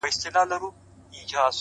• ډېر الله پر زړه باندي دي شـپـه نـه ده،